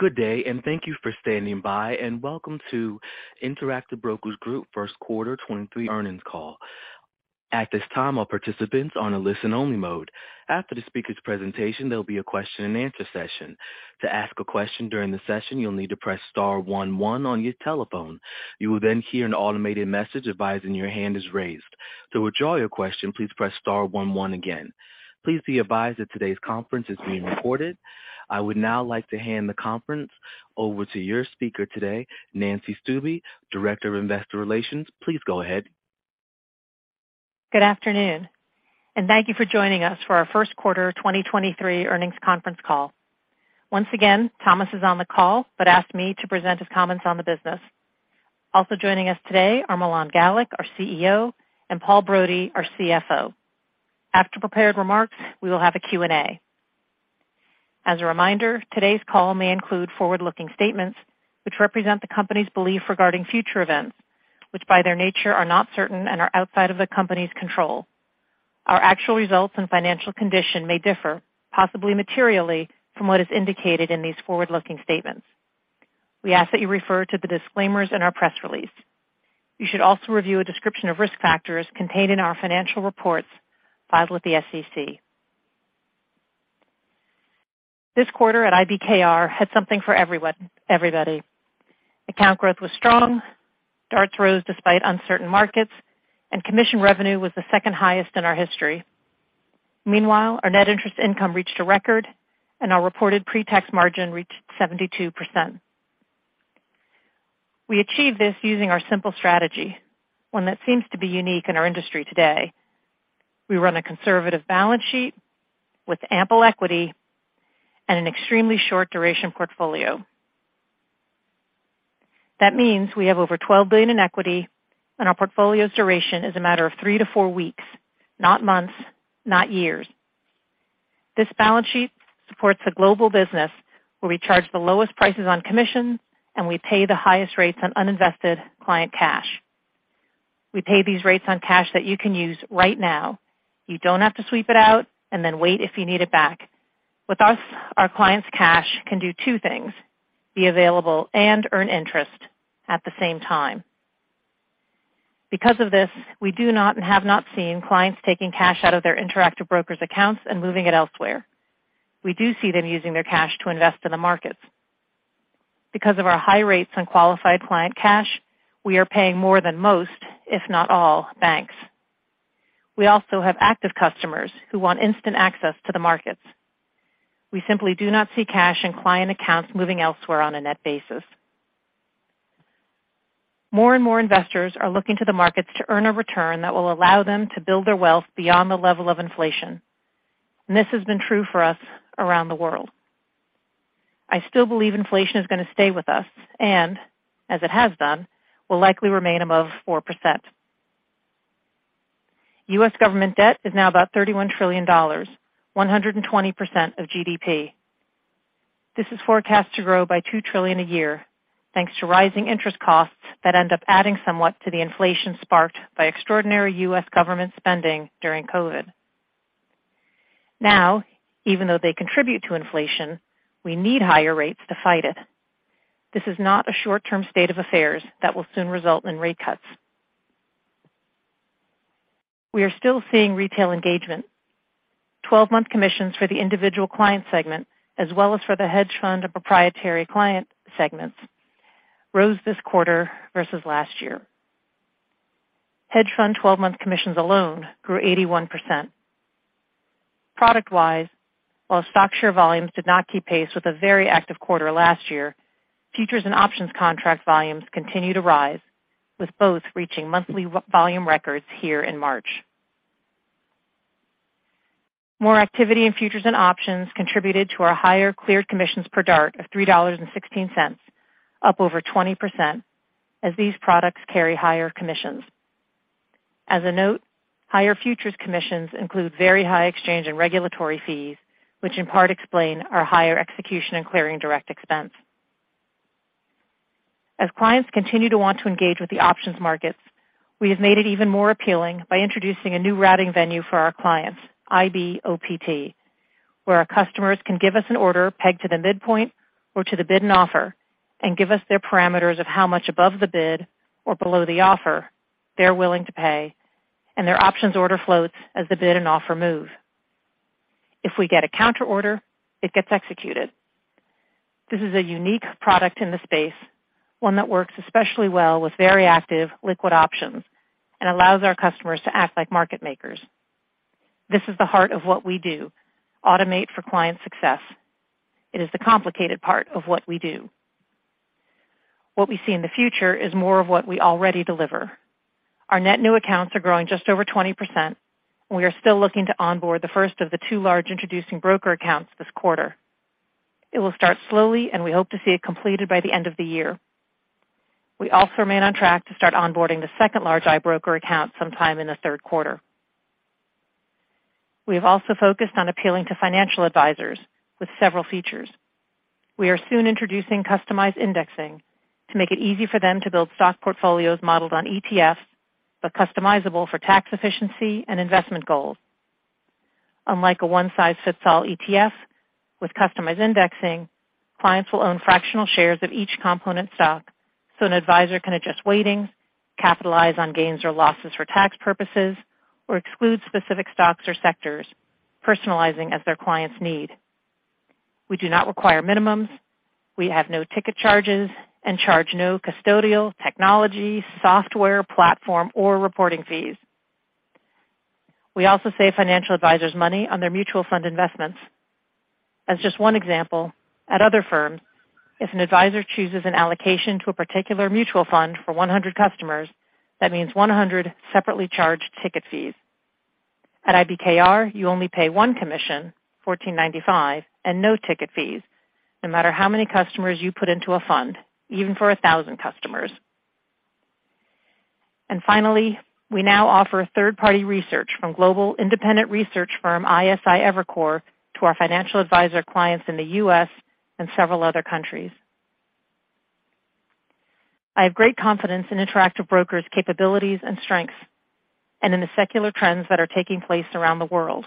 Good day, thank you for standing by, and welcome to Interactive Brokers Group first quarter 2023 earnings call. At this time, all participants are on a listen only mode. After the speaker's presentation, there'll be a question and answer session. To ask a question during the session, you'll need to press star one one on your telephone. You will hear an automated message advising your hand is raised. To withdraw your question, please press star one one again. Please be advised that today's conference is being recorded. I would now like to hand the conference over to your speaker today, Nancy Stuebe, Director of Investor Relations. Please go ahead. Good afternoon. Thank you for joining us for our first quarter 2023 earnings conference call. Once again, Thomas is on the call. Asked me to present his comments on the business. Also joining us today are Milan Galik, our CEO, and Paul Brody, our CFO. After prepared remarks, we will have a Q&A. As a reminder, today's call may include forward-looking statements which represent the company's belief regarding future events, which by their nature are not certain and are outside of the company's control. Our actual results and financial condition may differ, possibly materially, from what is indicated in these forward-looking statements. We ask that you refer to the disclaimers in our press release. You should also review a description of risk factors contained in our financial reports filed with the SEC. This quarter at IBKR had something for everybody. Account growth was strong, DARTs rose despite uncertain markets. Commission revenue was the second highest in our history. Our net interest income reached a record, and our reported pre-tax margin reached 72%. We achieved this using our simple strategy, one that seems to be unique in our industry today. We run a conservative balance sheet with ample equity and an extremely short duration portfolio. We have over $12 billion in equity, and our portfolio's duration is a matter of three-four weeks, not months, not years. This balance sheet supports a global business where we charge the lowest prices on commission. We pay the highest rates on uninvested client cash. We pay these rates on cash that you can use right now. You don't have to sweep it out and then wait if you need it back. With us, our clients' cash can do two things: be available and earn interest at the same time. Because of this, we do not and have not seen clients taking cash out of their Interactive Brokers accounts and moving it elsewhere. We do see them using their cash to invest in the markets. Because of our high rates on qualified client cash, we are paying more than most, if not all, banks. We also have active customers who want instant access to the markets. We simply do not see cash in client accounts moving elsewhere on a net basis. More and more investors are looking to the markets to earn a return that will allow them to build their wealth beyond the level of inflation. This has been true for us around the world. I still believe inflation is gonna stay with us, as it has done, will likely remain above 4%. U.S. government debt is now about $31 trillion, 120% of GDP. This is forecast to grow by $2 trillion a year, thanks to rising interest costs that end up adding somewhat to the inflation sparked by extraordinary U.S. government spending during COVID. Even though they contribute to inflation, we need higher rates to fight it. This is not a short-term state of affairs that will soon result in rate cuts. We are still seeing retail engagement. Twelve-month commissions for the individual client segment, as well as for the hedge fund and proprietary client segments, rose this quarter versus last year. Hedge fund twelve-month commissions alone grew 81%. Product-wise, while stock share volumes did not keep pace with a very active quarter last year, futures and options contract volumes continue to rise, with both reaching monthly volume records here in March. More activity in futures and options contributed to our higher cleared commissions per DART of $3.16, up over 20%, as these products carry higher commissions. As a note, higher futures commissions include very high exchange and regulatory fees, which in part explain our higher execution and clearing direct expense. As clients continue to want to engage with the options markets, we have made it even more appealing by introducing a new routing venue for our clients, IBUSOPT, where our customers can give us an order pegged to the midpoint or to the bid and offer, and give us their parameters of how much above the bid or below the offer they're willing to pay, and their options order floats as the bid and offer move. If we get a counter order, it gets executed. This is a unique product in the space, one that works especially well with very active liquid options and allows our customers to act like market makers. This is the heart of what we do, automate for client success. It is the complicated part of what we do. What we see in the future is more of what we already deliver. Our net new accounts are growing just over 20%. We are still looking to onboard the first of the two large introducing broker accounts this quarter. It will start slowly, and we hope to see it completed by the end of the year. We also remain on track to start onboarding the second large IBKR account sometime in the third quarter. We have also focused on appealing to financial advisors with several features. We are soon introducing customized indexing to make it easy for them to build stock portfolios modeled on ETFs, but customizable for tax efficiency and investment goals. Unlike a one-size-fits-all ETF, with customized indexing, clients will own fractional shares of each component stock so an advisor can adjust weighting, capitalize on gains or losses for tax purposes, or exclude specific stocks or sectors, personalizing as their clients need. We do not require minimums. We have no ticket charges and charge no custodial, technology, software, platform, or reporting fees. We also save financial advisors money on their mutual fund investments. As just one example, at other firms, if an advisor chooses an allocation to a particular mutual fund for 100 customers, that means 100 separately charged ticket fees. At IBKR, you only pay one commission, $14.95, and no ticket fees, no matter how many customers you put into a fund, even for 1,000 customers. Finally, we now offer third-party research from global independent research firm Evercore ISI to our financial advisor clients in the US and several other countries. I have great confidence in Interactive Brokers' capabilities and strengths and in the secular trends that are taking place around the world.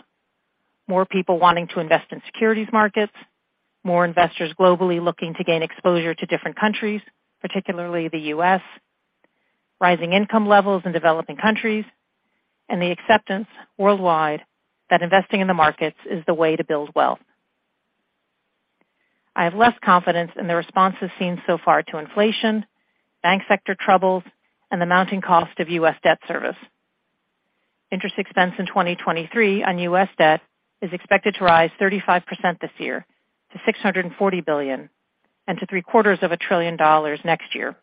More people wanting to invest in securities markets, more investors globally looking to gain exposure to different countries, particularly the U.S., rising income levels in developing countries, and the acceptance worldwide that investing in the markets is the way to build wealth. I have less confidence in the responses seen so far to inflation, bank sector troubles, and the mounting cost of U.S. debt service. Interest expense in 2023 on U.S. debt is expected to rise 35% this year to $640 billion and to three-quarters of a trillion dollars next year.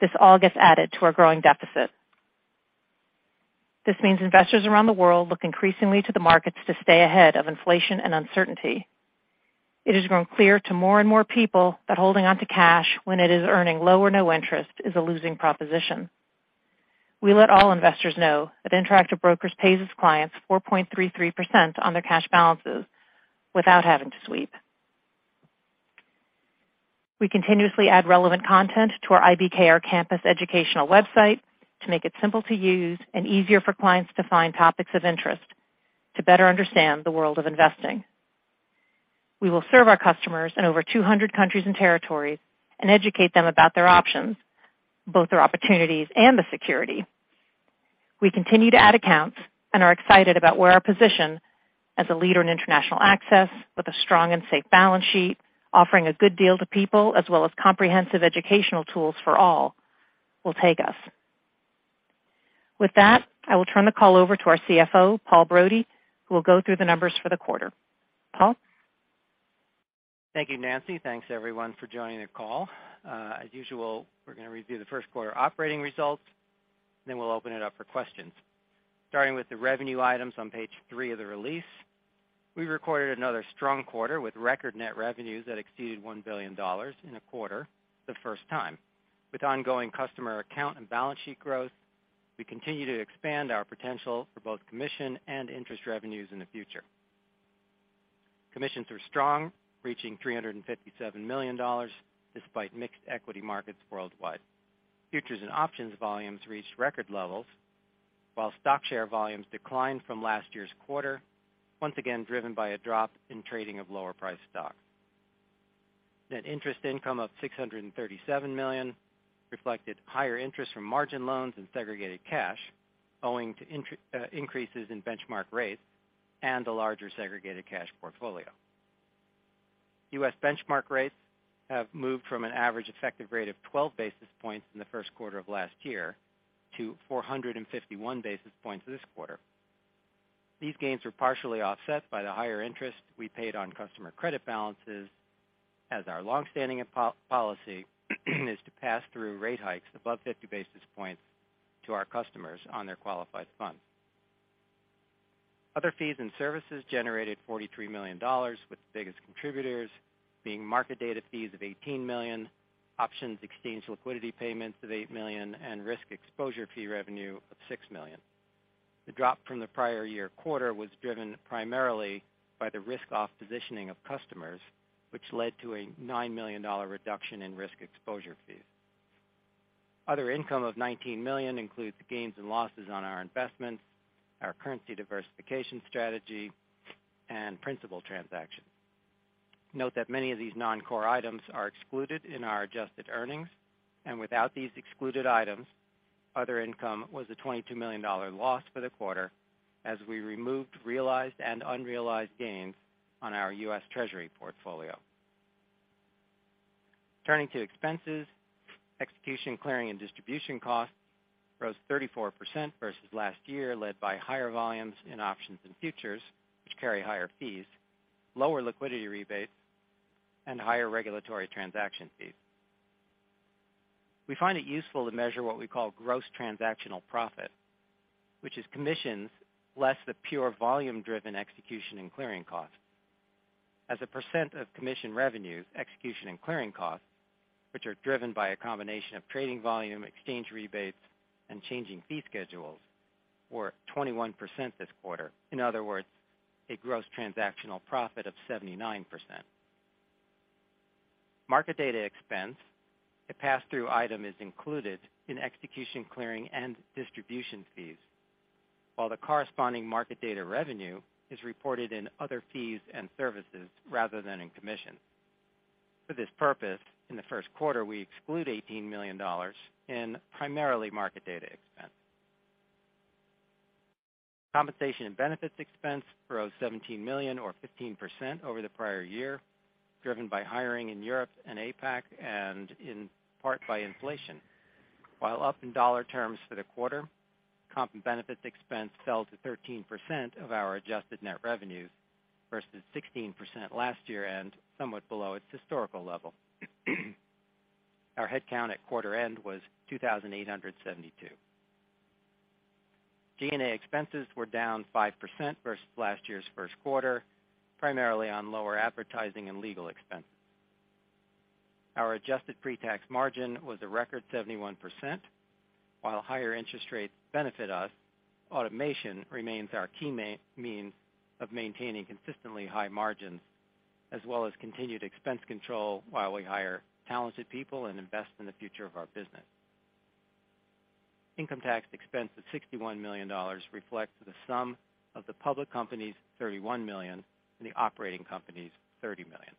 This all gets added to our growing deficit. This means investors around the world look increasingly to the markets to stay ahead of inflation and uncertainty. It has grown clear to more and more people that holding on to cash when it is earning low or no interest is a losing proposition. We let all investors know that Interactive Brokers pays its clients 4.33% on their cash balances without having to sweep. We continuously add relevant content to our IBKR Campus educational website to make it simple to use and easier for clients to find topics of interest to better understand the world of investing. We will serve our customers in over 200 countries and territories and educate them about their options, both their opportunities and the security. We continue to add accounts and are excited about where our position as a leader in international access with a strong and safe balance sheet, offering a good deal to people as well as comprehensive educational tools for all will take us. I will turn the call over to our CFO, Paul Brody, who will go through the numbers for the quarter. Paul? Thank you, Nancy. Thanks, everyone, for joining the call. As usual, we're gonna review the first quarter operating results, then we'll open it up for questions. Starting with the revenue items on page 3 of the release, we recorded another strong quarter with record net revenues that exceeded $1 billion in a quarter the first time. With ongoing customer account and balance sheet growth, we continue to expand our potential for both commission and interest revenues in the future. Commissions were strong, reaching $357 million despite mixed equity markets worldwide. Futures and options volumes reached record levels, while stock share volumes declined from last year's quarter, once again driven by a drop in trading of lower priced stocks. Net interest income of $637 million reflected higher interest from margin loans and segregated cash owing to increases in benchmark rates and a larger segregated cash portfolio. U.S. benchmark rates have moved from an average effective rate of 12 basis points in the first quarter of last year to 451 basis points this quarter. These gains were partially offset by the higher interest we paid on customer credit balances, as our long-standing policy is to pass through rate hikes above 50 basis points to our customers on their qualified funds. Other fees and services generated $43 million, with the biggest contributors being market data fees of $18 million, options exchange liquidity payments of $8 million, and risk exposure fee revenue of $6 million. The drop from the prior year quarter was driven primarily by the risk exposure fees positioning of customers, which led to a $9 million reduction in risk exposure fees. Other income of $19 million includes gains and losses on our investments, our currency diversification strategy, and principal transactions. Note that many of these non-core items are excluded in our adjusted earnings. Without these excluded items, other income was a $22 million loss for the quarter as we removed realized and unrealized gains on our U.S. Treasury portfolio. Turning to expenses, execution, clearing, and distribution costs rose 34% versus last year, led by higher volumes in options and futures, which carry higher fees, lower liquidity rebates, and higher regulatory transaction fees. We find it useful to measure what we call gross transactional profit, which is commissions less the pure volume-driven execution and clearing costs. As a percent of commission revenues, execution and clearing costs, which are driven by a combination of trading volume, exchange rebates, and changing fee schedules, were 21% this quarter. In other words, a gross transactional profit of 79%. Market data expense, a pass-through item is included in execution clearing and distribution fees, while the corresponding market data revenue is reported in other fees and services rather than in commission. For this purpose, in the first quarter, we exclude $18 million in primarily market data expense. Compensation and benefits expense rose $17 million or 15% over the prior year, driven by hiring in Europe and APAC and in part by inflation. While up in dollar terms for the quarter, comp and benefits expense fell to 13% of our adjusted net revenues versus 16% last year and somewhat below its historical level. Our headcount at quarter end was 2,872. G&A expenses were down 5% versus last year's first quarter, primarily on lower advertising and legal expenses. Our adjusted pre-tax margin was a record 71%. While higher interest rates benefit us, automation remains our key mean of maintaining consistently high margins as well as continued expense control while we hire talented people and invest in the future of our business. Income tax expense of $61 million reflects the sum of the public company's $31 million and the operating company's $30 million.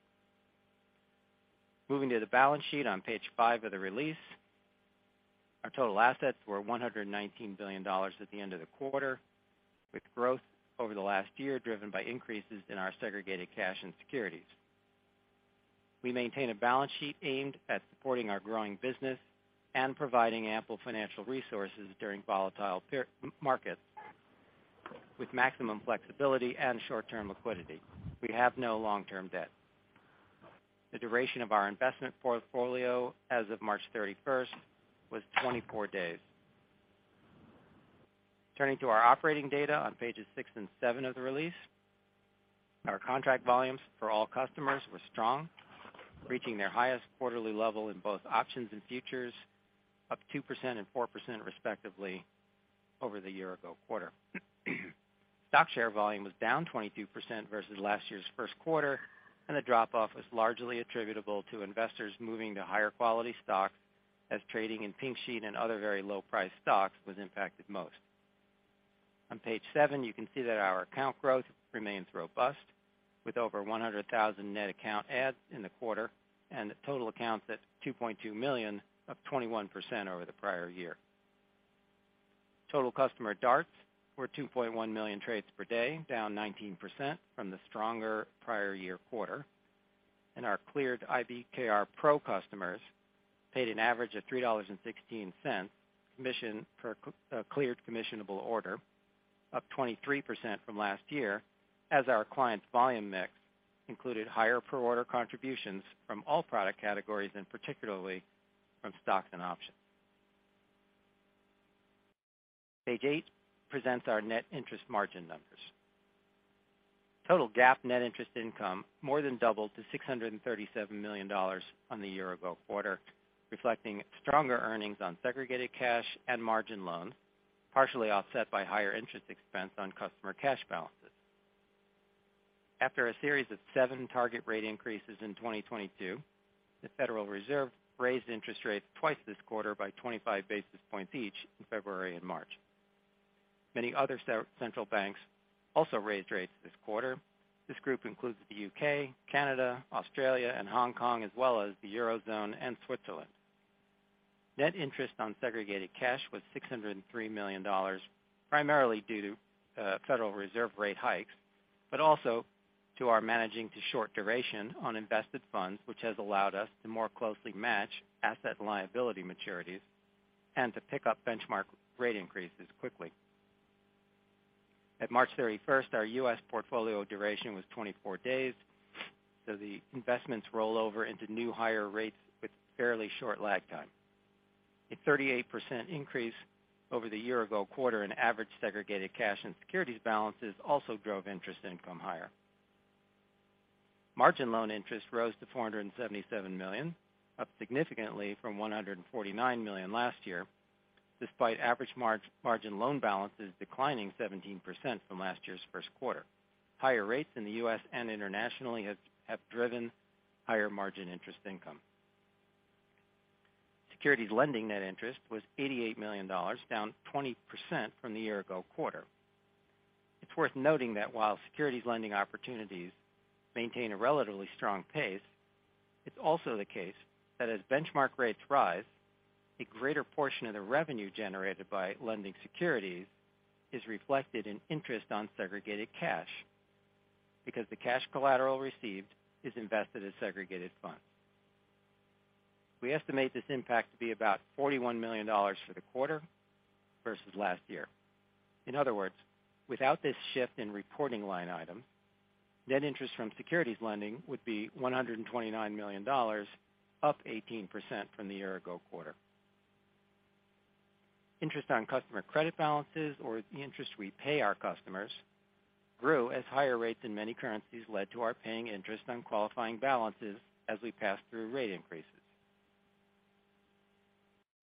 Moving to the balance sheet on page 5 of the release. Our total assets were $119 billion at the end of the quarter, with growth over the last year driven by increases in our segregated cash and securities. We maintain a balance sheet aimed at supporting our growing business and providing ample financial resources during volatile market with maximum flexibility and short-term liquidity. We have no long-term debt. The duration of our investment portfolio as of March 31st was 24 days. Turning to our operating data on pages six and seven of the release. Our contract volumes for all customers were strong, reaching their highest quarterly level in both options and futures, up 2% and 4% respectively over the year ago quarter. Stock share volume was down 22% versus last year's first quarter. The drop-off was largely attributable to investors moving to higher quality stocks as trading in pink sheet and other very low price stocks was impacted most. On Page seven, you can see that our account growth remains robust, with over 100,000 net account adds in the quarter and total accounts at 2.2 million, up 21% over the prior year. Total customer DARTs were 2.1 million trades per day, down 19% from the stronger prior year quarter. Our cleared IBKR Pro customers paid an average of $3.16 commission per cleared commissionable order, up 23% from last year as our clients' volume mix included higher per order contributions from all product categories and particularly from stocks and options. Page eight presents our net interest margin numbers. Total GAAP net interest income more than doubled to $637 million on the year ago quarter, reflecting stronger earnings on segregated cash and margin loans, partially offset by higher interest expense on customer cash balances. After a series of seven target rate increases in 2022, the Federal Reserve raised interest rates twice this quarter by 25 basis points each in February and March. Many other central banks also raised rates this quarter. This group includes the UK, Canada, Australia, and Hong Kong, as well as the Eurozone and Switzerland. Net interest on segregated cash was $603 million, primarily due to Federal Reserve rate hikes, but also to our managing to short duration on invested funds, which has allowed us to more closely match asset and liability maturities and to pick up benchmark rate increases quickly. At March 31, our U.S. portfolio duration was 24 days, the investments roll over into new higher rates with fairly short lag time. A 38% increase over the year-ago quarter in average segregated cash and securities balances also drove interest income higher. Margin loan interest rose to $477 million, up significantly from $149 million last year, despite average margin loan balances declining 17% from last year's first quarter. Higher rates in the U.S. and internationally have driven higher margin interest income. Securities lending net interest was $88 million, down 20% from the year-ago quarter. It's worth noting that while securities lending opportunities maintain a relatively strong pace, it's also the case that as benchmark rates rise, a greater portion of the revenue generated by lending securities is reflected in interest on segregated cash because the cash collateral received is invested as segregated funds. We estimate this impact to be about $41 million for the quarter versus last year. In other words, without this shift in reporting line item, net interest from securities lending would be $129 million, up 18% from the year-ago quarter. Interest on customer credit balances or the interest we pay our customers grew as higher rates in many currencies led to our paying interest on qualifying balances as we passed through rate increases.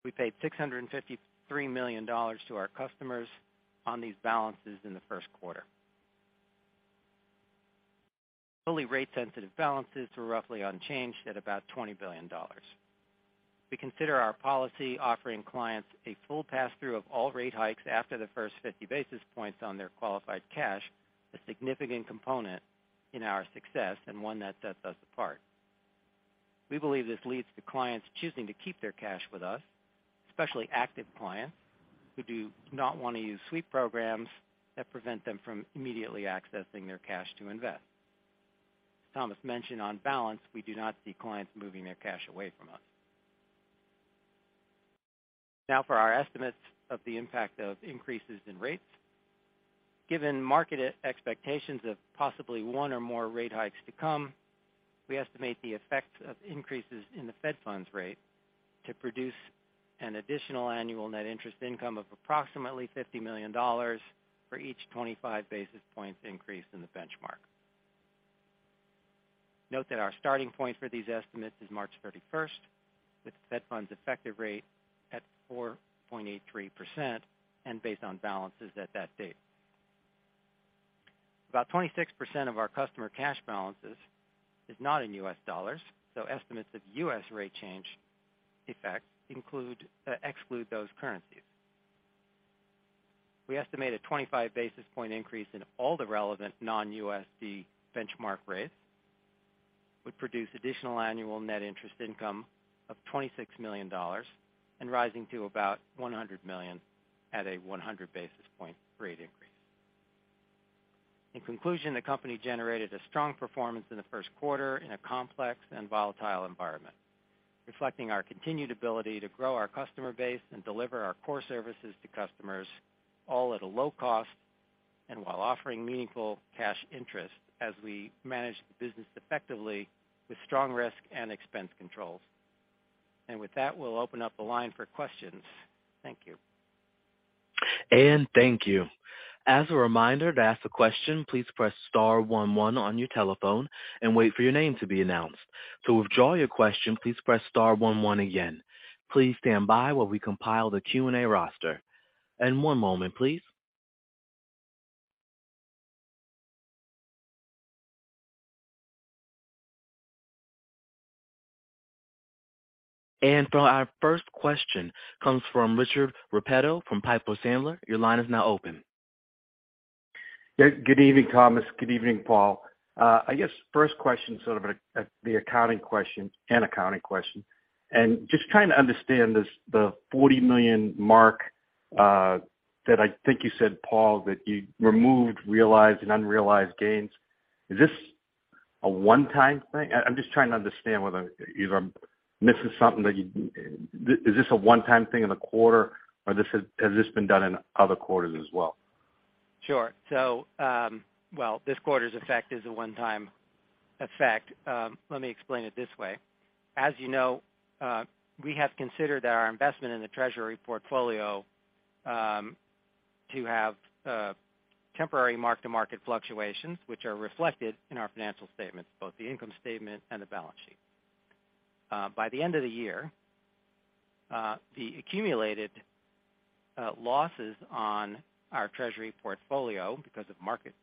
We paid $653 million to our customers on these balances in the first quarter. Fully rate sensitive balances were roughly unchanged at about $20 billion. We consider our policy offering clients a full passthrough of all rate hikes after the first 50 basis points on their qualified cash, a significant component in our success and one that sets us apart. We believe this leads to clients choosing to keep their cash with us, especially active clients who do not want to use sweep programs that prevent them from immediately accessing their cash to invest. Thomas mentioned on balance, we do not see clients moving their cash away from us. Now for our estimates of the impact of increases in rates. Given market expectations of possibly one or more rate hikes to come, we estimate the effects of increases in the fed funds rate to produce an additional annual net interest income of approximately $50 million for each 25 basis points increase in the benchmark. Note that our starting point for these estimates is March 31st, with fed funds effective rate at 4.83% and based on balances at that date. About 26% of our customer cash balances is not in U.S. dollars, so estimates of U.S. rate change effects exclude those currencies. We estimate a 25 basis point increase in all the relevant non-USD benchmark rates would produce additional annual net interest income of $26 million and rising to about $100 million at a 100 basis point rate increase. In conclusion, the company generated a strong performance in the first quarter in a complex and volatile environment, reflecting our continued ability to grow our customer base and deliver our core services to customers, all at a low cost, and while offering meaningful cash interest as we manage the business effectively with strong risk and expense controls. With that, we'll open up the line for questions. Thank you. Thank you. As a reminder to ask a question, please press star one one on your telephone and wait for your name to be announced. To withdraw your question, please press star one one again. Please stand by while we compile the Q&A roster. One moment, please. For our first question comes from Richard Repetto from Piper Sandler. Your line is now open. Good evening, Thomas. Good evening, Paul. I guess first question, sort of, the accounting question, an accounting question. Just trying to understand this, the $40 million mark that I think you said, Paul, that you removed realized and unrealized gains. Is this a one-time thing? I'm just trying to understand whether either I'm missing something that you... Is this a one-time thing in the quarter or has this been done in other quarters as well? Sure. Well, this quarter's effect is a one-time effect. Let me explain it this way. As you know, we have considered our investment in the treasury portfolio to have temporary mark-to-market fluctuations, which are reflected in our financial statements, both the income statement and the balance sheet. By the end of the year, the accumulated losses on our treasury portfolio because of market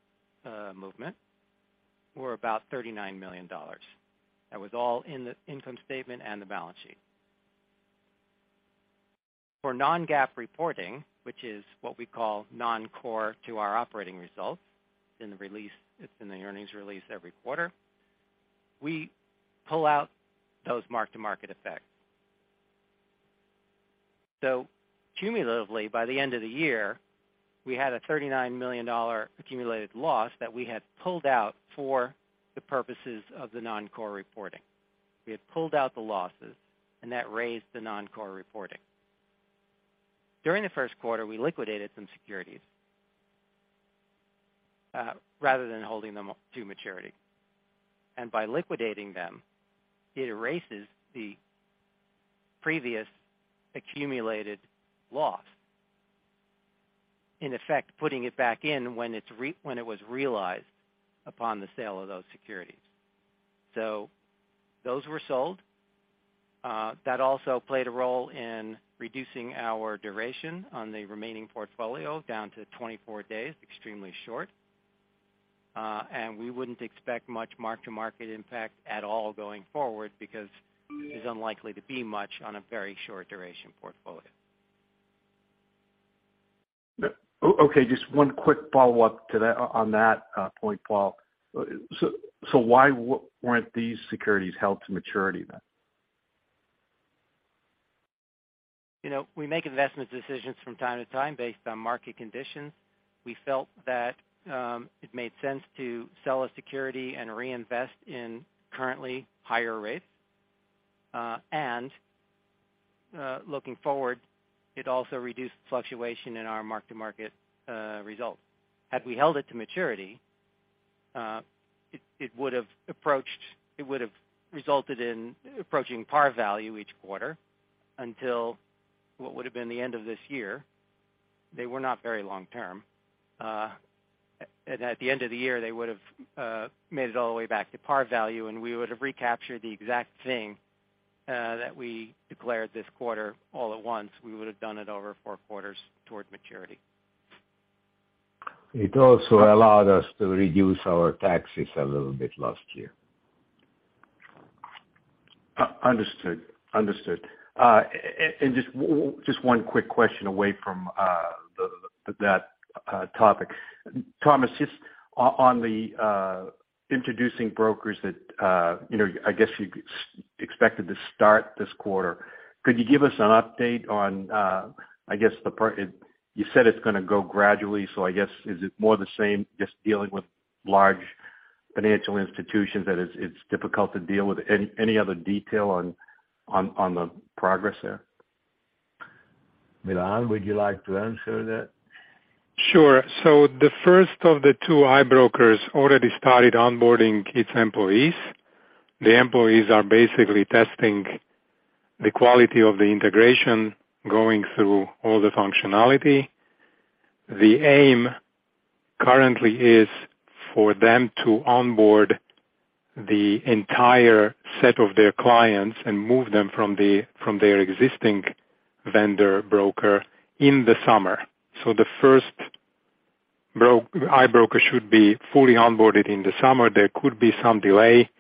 movement were about $39 million. That was all in the income statement and the balance sheet. For non-GAAP reporting, which is what we call non-core to our operating results, it's in the earnings release every quarter, we pull out those mark-to-market effects. Cumulatively, by the end of the year, we had a $39 million accumulated loss that we had pulled out for the purposes of the non-core reporting. We had pulled out the losses and that raised the non-core reporting. During the first quarter, we liquidated some securities, rather than holding them to maturity. By liquidating them, it erases the previous accumulated loss, in effect putting it back in when it was realized upon the sale of those securities. Those were sold. That also played a role in reducing our duration on the remaining portfolio down to 24 days, extremely short. We wouldn't expect much mark-to-market impact at all going forward because there's unlikely to be much on a very short duration portfolio. Okay, just one quick follow-up on that point, Paul. Why weren't these securities held to maturity then? You know, we make investment decisions from time to time based on market conditions. We felt that it made sense to sell a security and reinvest in currently higher rates. Looking forward, it also reduced fluctuation in our mark-to-market results. Had we held it to maturity, it would have resulted in approaching par value each quarter until what would have been the end of this year. They were not very long-term. At the end of the year, they would've made it all the way back to par value, and we would have recaptured the exact same that we declared this quarter all at once. We would have done it over four quarters toward maturity. It also allowed us to reduce our taxes a little bit last year. Understood. Understood. Just one quick question away from the, that, topic. Thomas, just on the introducing brokers that, you know, I guess you expected to start this quarter, could you give us an update on, I guess the You said it's gonna go gradually, so I guess is it more the same just dealing with large financial institutions that it's difficult to deal with. Any other detail on the progress there? Milan, would you like to answer that? Sure. The first of the two i-brokers already started onboarding its employees. The employees are basically testing the quality of the integration, going through all the functionality. The aim currently is for them to onboard the entire set of their clients and move them from their existing vendor broker in the summer. The first i-broker should be fully onboarded in the summer. There could be some delay,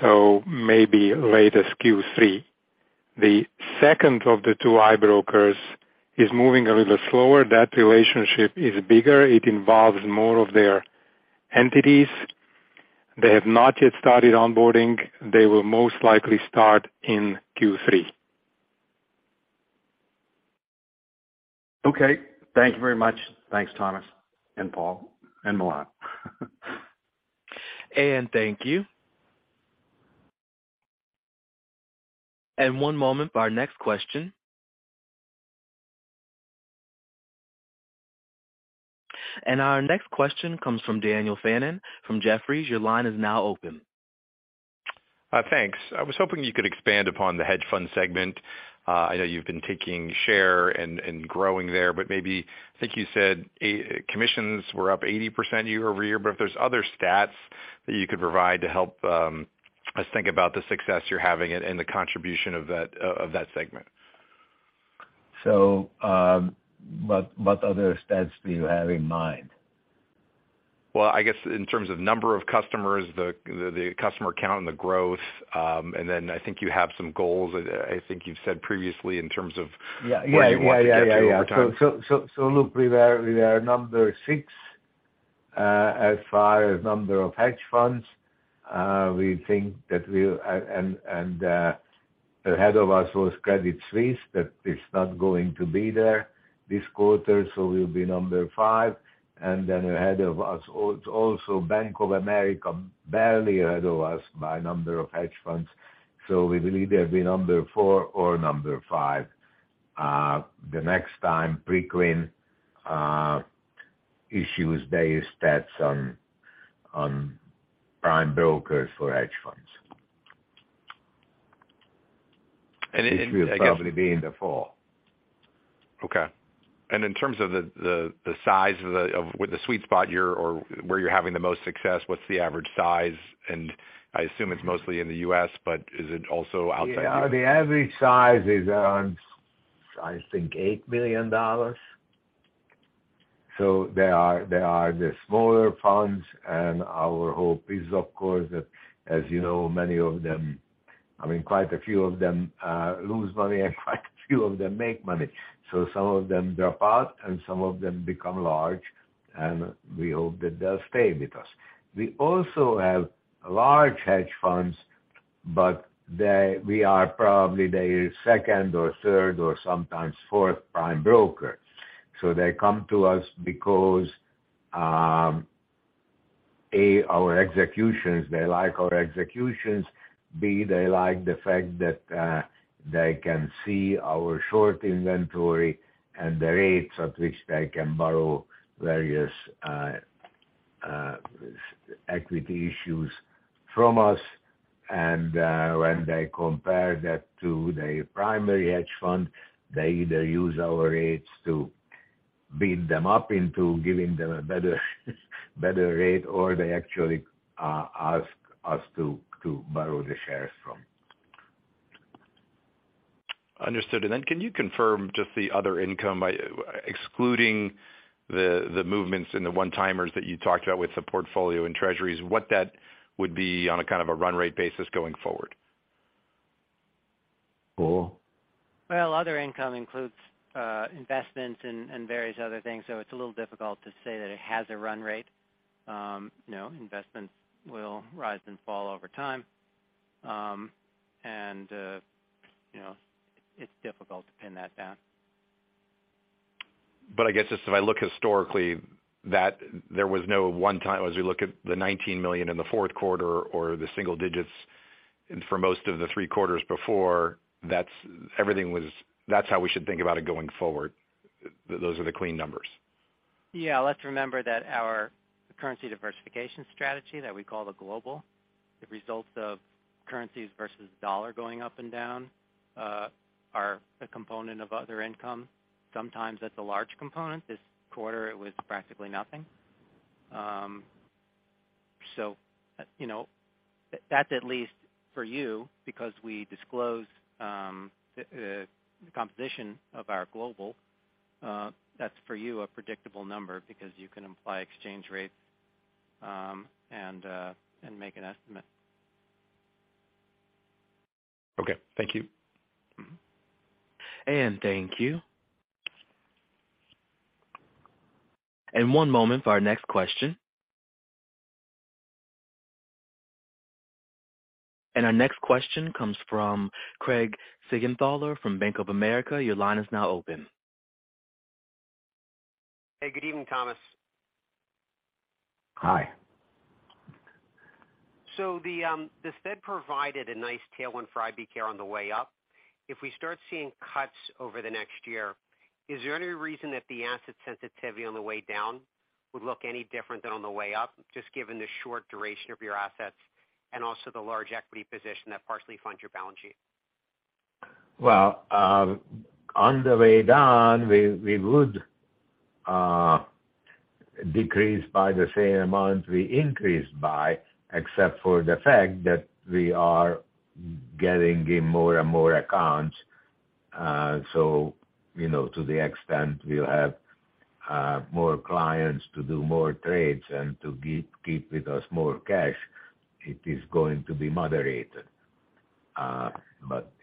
so maybe late as Q3. The second of the two i-brokers is moving a little slower. That relationship is bigger. It involves more of their entities. They have not yet started onboarding. They will most likely start in Q3. Okay. Thank you very much. Thanks, Thomas and Paul and Milan. Thank you. One moment for our next question. Our next question comes from Daniel Fannon from Jefferies. Your line is now open. Thanks. I was hoping you could expand upon the hedge fund segment. I know you've been taking share and growing there, but maybe I think you said commissions were up 80% year-over-year, but if there's other stats that you could provide to help us think about the success you're having and the contribution of that segment. What other stats do you have in mind? I guess in terms of number of customers, the customer count and the growth, I think you have some goals. I think you've said previously. Yeah. -where you want to get to over time. Yeah. Yeah. Yeah. Yeah. Look, we are number six, as far as number of hedge funds. Ahead of us was Credit Suisse, but it's not going to be there this quarter, so we'll be number five, and then ahead of us also Bank of America, barely ahead of us by number of hedge funds. We will either be number four or number five, the next time Preqin issues their stats on prime brokers for hedge funds. And, and, and again- Which will probably be in the fall. Okay. In terms of the size with the sweet spot you're or where you're having the most success, what's the average size? I assume it's mostly in the US, but is it also outside the US? Yeah. The average size is around, I think, $8 million. There are the smaller funds, and our hope is, of course, that, as you know, many of them, I mean, quite a few of them lose money and quite a few of them make money. Some of them drop out, and some of them become large, and we hope that they'll stay with us. We also have large hedge funds, but we are probably their second or third or sometimes fourth prime broker. They come to us because, A, our executions, they like our executions, B, they like the fact that they can see our short inventory and the rates at which they can borrow various equity issues from us. When they compare that to the primary hedge fund, they either use our rates to build them up into giving them a better rate, or they actually ask us to borrow the shares from. Understood. Can you confirm just the other income by excluding the movements in the one-timers that you talked about with the portfolio and treasuries, what that would be on a kind of a run rate basis going forward? Paul? Other income includes investments and various other things, so it's a little difficult to say that it has a run rate. You know, investments will rise and fall over time. You know, it's difficult to pin that down. I guess just if I look historically that there was no one time as we look at the $19 million in the fourth quarter or the single digits and for most of the three quarters before, that's how we should think about it going forward. Those are the clean numbers. Yeah. Let's remember that our currency diversification strategy that we call the GLOBAL, the results of currencies versus US dollar going up and down, are a component of other income. Sometimes that's a large component. This quarter, it was practically nothing. You know, that's at least for you because we disclose the composition of our GLOBAL, that's for you a predictable number because you can imply exchange rates and make an estimate. Okay, thank you. Thank you. One moment for our next question. Our next question comes from Craig Siegenthaler from Bank of America. Your line is now open. Hey, good evening, Thomas. Hi. The Fed provided a nice tailwind for IBKR on the way up. If we start seeing cuts over the next year, is there any reason that the asset sensitivity on the way down would look any different than on the way up, just given the short duration of your assets and also the large equity position that partially funds your balance sheet? Well, on the way down, we would decrease by the same amount we increased by, except for the fact that we are getting in more and more accounts. You know, to the extent we'll have more clients to do more trades and to keep with us more cash, it is going to be moderated.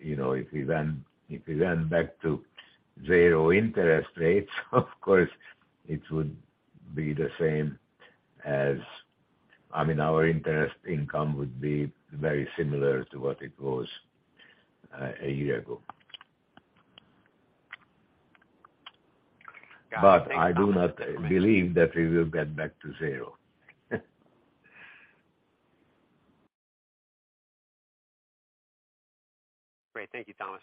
You know, if we went back to zero interest rates, of course, it would be the same as. I mean, our interest income would be very similar to what it was one year ago. Got it. I do not believe that we will get back to zero. Great. Thank you, Thomas.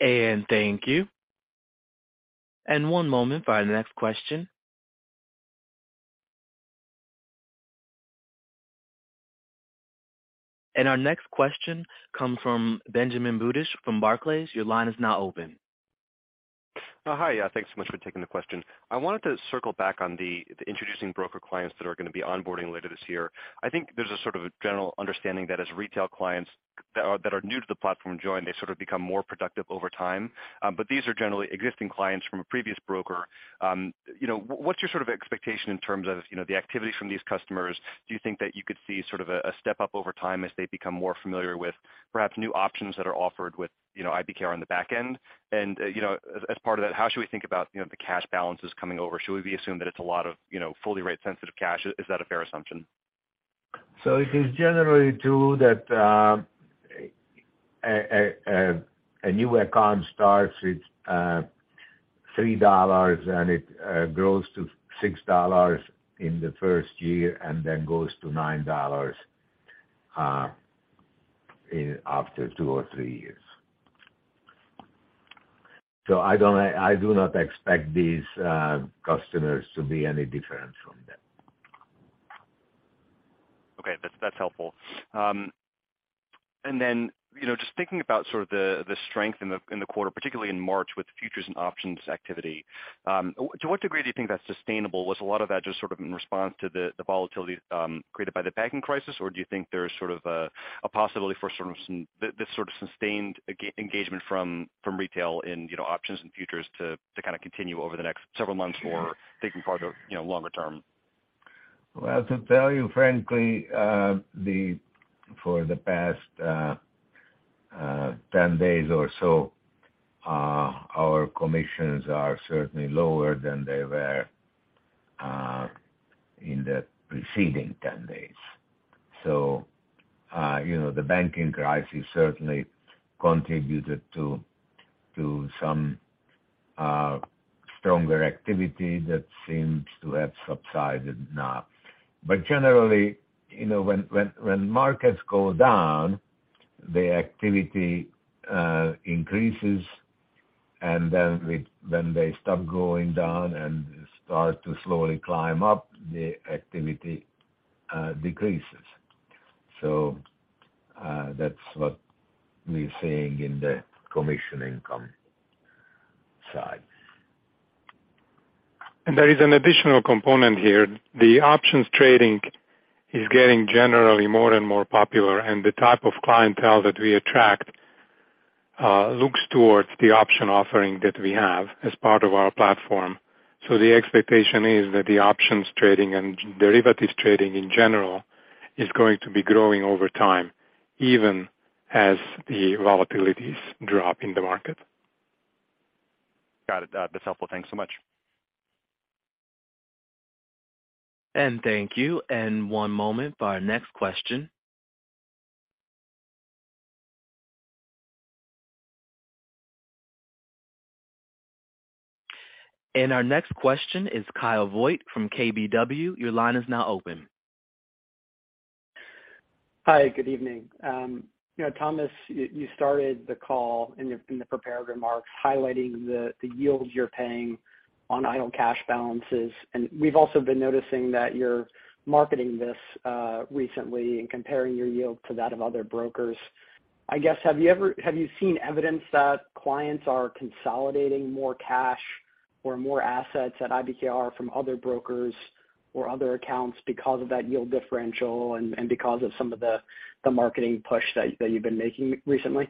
Thank you. One moment for our next question. Our next question come from Benjamin Budish from Barclays. Your line is now open. Hi. Thanks so much for taking the question. I wanted to circle back on the introducing broker clients that are gonna be onboarding later this year. I think there's a sort of a general understanding that as retail clients that are new to the platform join, they sort of become more productive over time. These are generally existing clients from a previous broker. You know, what's your sort of expectation in terms of, you know, the activity from these customers? Do you think that you could see sort of a step up over time as they become more familiar with perhaps new options that are offered with, you know, IBKR on the back end? You know, as part of that, how should we think about, you know, the cash balances coming over? Should we assume that it's a lot of, you know, fully rate-sensitive cash? Is that a fair assumption? It is generally true that a new account starts with $3 and it grows to $6 in the first year and then goes to $9 after two or three years. I do not expect these customers to be any different from that. Okay. That's, that's helpful. You know, just thinking about sort of the strength in the, in the quarter, particularly in March with futures and options activity, to what degree do you think that's sustainable? Was a lot of that just sort of in response to the volatility created by the banking crisis? Do you think there's sort of a possibility for this sort of sustained engagement from retail in, you know, options and futures to kind of continue over the next several months or taking part of, you know, longer term? Well, to tell you frankly, for the past 10 days or so, our commissions are certainly lower than they were in the preceding 10 days. You know, the banking crisis certainly contributed to some stronger activity that seems to have subsided now. Generally, you know, when markets go down, the activity increases, and then when they stop going down and start to slowly climb up, the activity decreases. That's what we're seeing in the commission income side. There is an additional component here. The options trading is getting generally more and more popular, and the type of clientele that we attract, looks towards the option offering that we have as part of our platform. The expectation is that the options trading and derivatives trading in general is going to be growing over time, even as the volatilities drop in the market. Got it. That's helpful. Thanks so much. Thank you. One moment for our next question. Our next question is Kyle Voigt from KBW. Your line is now open. Hi, good evening. You know, Thomas, you started the call in the prepared remarks highlighting the yields you're paying on idle cash balances. We've also been noticing that you're marketing this recently and comparing your yield to that of other brokers. I guess, have you seen evidence that clients are consolidating more cash or more assets at IBKR from other brokers or other accounts because of that yield differential and because of some of the marketing push that you've been making recently?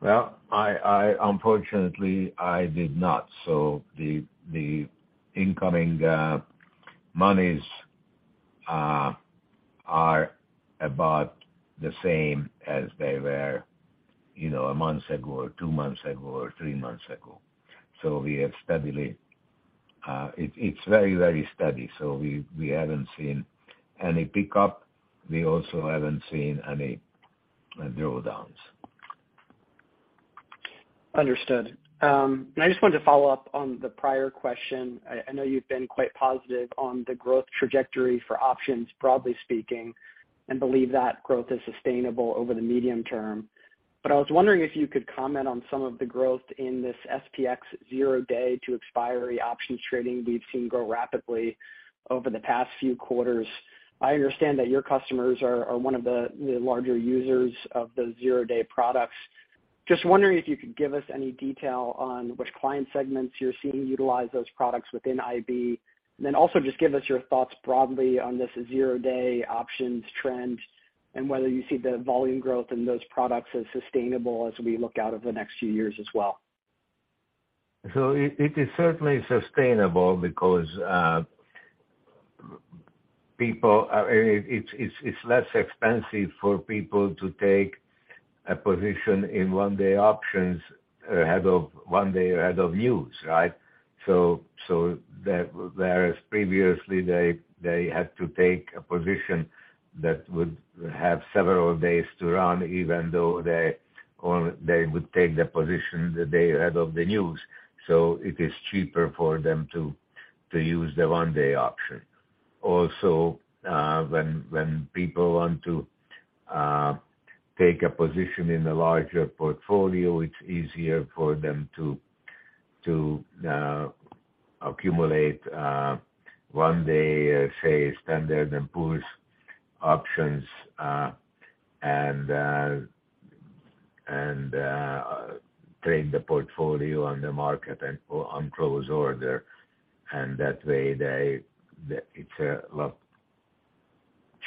Well, I unfortunately, I did not. The incoming monies are about the same as they were, you know, a month ago or two months ago or three months ago. We have steadily. It's very, very steady. We haven't seen any pickup. We also haven't seen any drawdowns. Understood. I just wanted to follow up on the prior question. I know you've been quite positive on the growth trajectory for options, broadly speaking, and believe that growth is sustainable over the medium term. I was wondering if you could comment on some of the growth in this SPX zero day to expiry options trading we've seen grow rapidly over the past few quarters. I understand that your customers are one of the larger users of the zero day products. Just wondering if you could give us any detail on which client segments you're seeing utilize those products within IB. Then also just give us your thoughts broadly on this zero day options trend and whether you see the volume growth in those products as sustainable as we look out over the next few years as well. It is certainly sustainable because people. It's less expensive for people to take a position in one-day options ahead of one day ahead of news, right? That whereas previously they had to take a position that would have several days to run, even though they would take the position the day ahead of the news. It is cheaper for them to use the one-day option. Also, when people want to take a position in a larger portfolio, it's easier for them to accumulate one day, say, Standard & Poor's options, and trade the portfolio on the market and on close order. That way they. It's a lot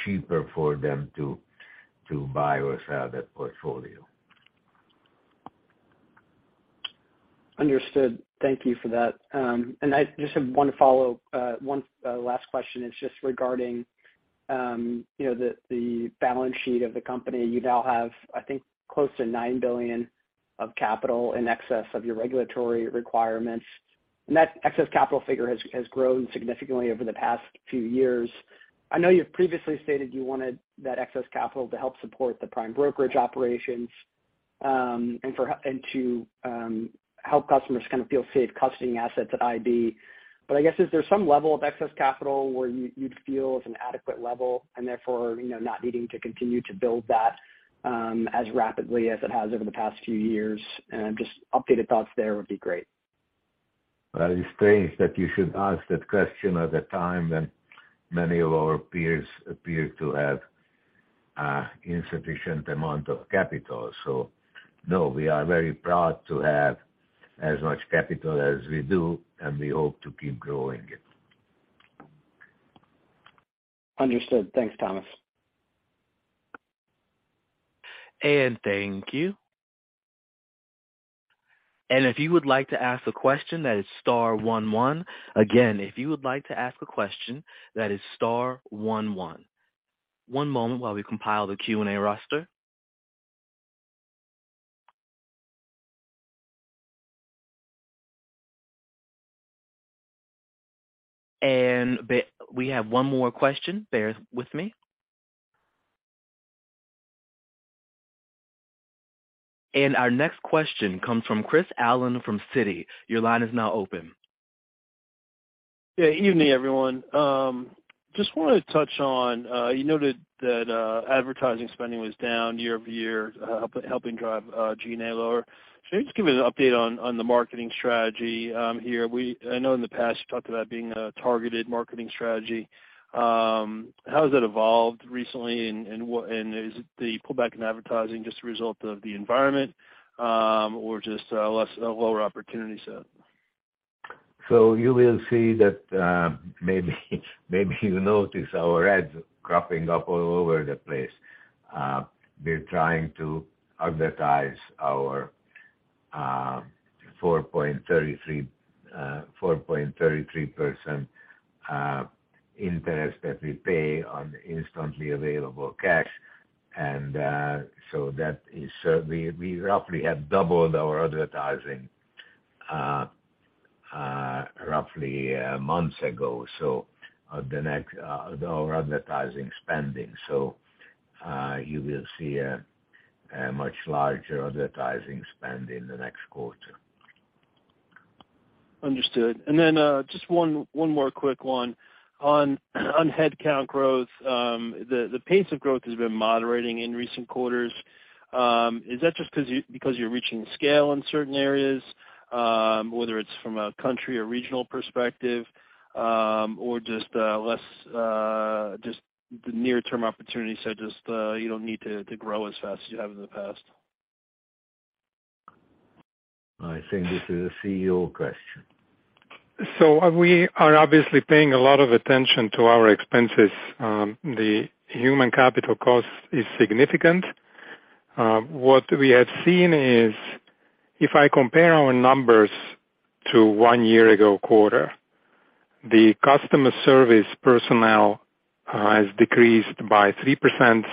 cheaper for them to buy or sell that portfolio. Understood. Thank you for that. I just have one last question is just regarding, you know, the balance sheet of the company. You now have, I think, close to $9 billion of capital in excess of your regulatory requirements. That excess capital figure has grown significantly over the past few years. I know you've previously stated you wanted that excess capital to help support the prime brokerage operations and to help customers kind of feel safe custodying assets at IB. I guess, is there some level of excess capital where you'd feel is an adequate level and therefore, you know, not needing to continue to build that as rapidly as it has over the past few years? Just updated thoughts there would be great. It's strange that you should ask that question at a time when many of our peers appear to have insufficient amount of capital. No, we are very proud to have as much capital as we do, and we hope to keep growing it. Understood. Thanks, Thomas. Thank you. If you would like to ask a question, that is star one one. Again, if you would like to ask a question, that is star one one. One moment while we compile the Q&A roster. We have one more question. Bear with me. Our next question comes from Chris Allen from Citi. Your line is now open. Yeah, evening, everyone. Just wanna touch on, you noted that advertising spending was down year-over-year, helping drive GNA lower. Can you just give me an update on the marketing strategy here. I know in the past, you talked about being a targeted marketing strategy. How has that evolved recently and is the pullback in advertising just a result of the environment or just less a lower opportunity set? You will see that, maybe you notice our ads cropping up all over the place. We're trying to advertise our 4.33, 4.33% interest that we pay on instantly available cash. That is, we roughly have doubled our advertising roughly a month ago. The next, our advertising spending. You will see a much larger advertising spend in the next quarter. Understood. Just one more quick one. On headcount growth, the pace of growth has been moderating in recent quarters. Is that just because you're reaching scale in certain areas, whether it's from a country or regional perspective, or just less just the near-term opportunities so just you don't need to grow as fast as you have in the past? I think this is a CEO question. We are obviously paying a lot of attention to our expenses. The human capital cost is significant. What we have seen is if I compare our numbers to 1 year ago quarter, the customer service personnel has decreased by 3%.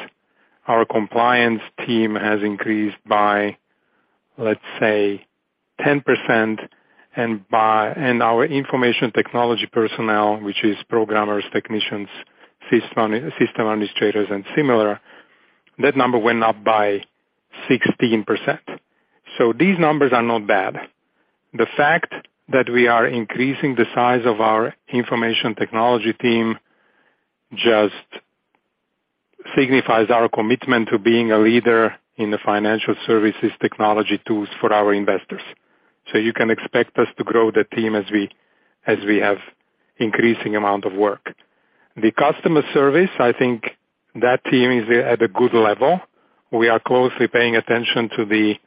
Our compliance team has increased by, let's say, 10% and our information technology personnel, which is programmers, technicians, system administrators and similar, that number went up by 16%. These numbers are not bad. The fact that we are increasing the size of our information technology team just signifies our commitment to being a leader in the financial services technology tools for our investors. You can expect us to grow the team as we have increasing amount of work. The customer service, I think that team is at a good level. We are closely paying attention to the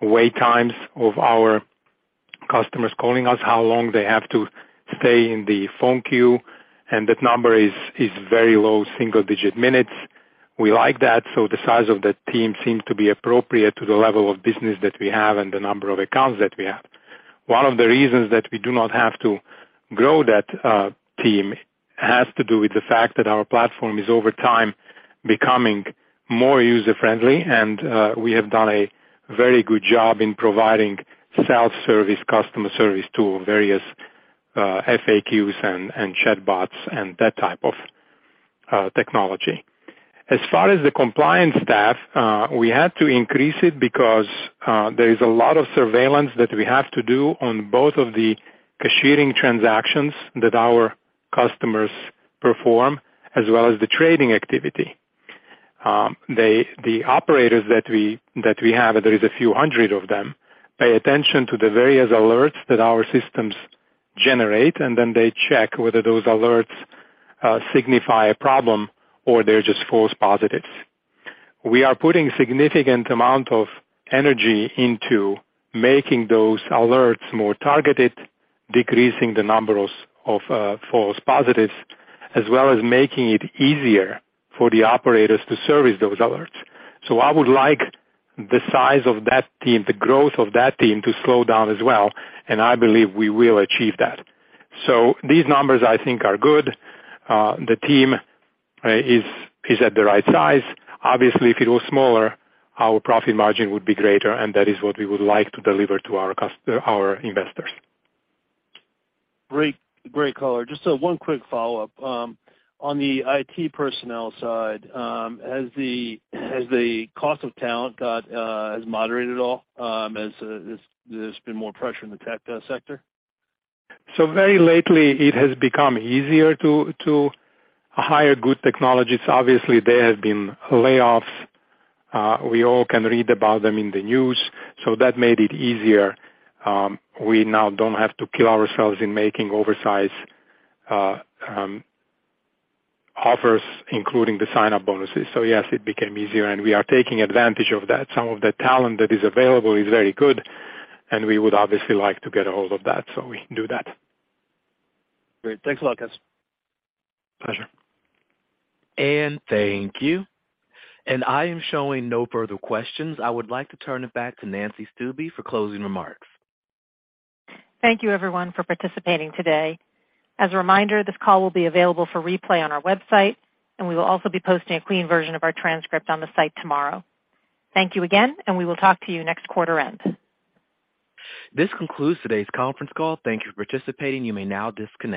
wait times of our customers calling us, how long they have to stay in the phone queue, and that number is very low, single digit minutes. We like that. The size of the team seems to be appropriate to the level of business that we have and the number of accounts that we have. One of the reasons that we do not have to grow that team has to do with the fact that our platform is over time becoming more user-friendly. We have done a very good job in providing self-service customer service to various FAQs and chatbots and that type of technology. As far as the compliance staff, we had to increase it because there is a lot of surveillance that we have to do on both of the cashiering transactions that our customers perform, as well as the trading activity. The operators that we have, there is a few hundred of them, pay attention to the various alerts that our systems generate, and then they check whether those alerts signify a problem or they're just false positives. We are putting significant amount of energy into making those alerts more targeted, decreasing the numbers of false positives, as well as making it easier for the operators to service those alerts. I would like the size of that team, the growth of that team to slow down as well, and I believe we will achieve that. These numbers I think are good. The team is at the right size. Obviously, if it was smaller, our profit margin would be greater, and that is what we would like to deliver to our investors. Great. Great color. Just one quick follow-up. On the IT personnel side, has the cost of talent moderated at all, as there's been more pressure in the tech sector? Very lately it has become easier to hire good technologists. Obviously, there have been layoffs. We all can read about them in the news. That made it easier. We now don't have to kill ourselves in making oversize offers, including the sign-up bonuses. Yes, it became easier, and we are taking advantage of that. Some of the talent that is available is very good, and we would obviously like to get a hold of that, so we can do that. Great. Thanks a lot, Guys. Pleasure. Thank you. I am showing no further questions. I would like to turn it back to Nancy Stuebe for closing remarks. Thank you everyone for participating today. As a reminder, this call will be available for replay on our website, and we will also be posting a clean version of our transcript on the site tomorrow. Thank you again, and we will talk to you next quarter end. This concludes today's conference call. Thank you for participating. You may now disconnect.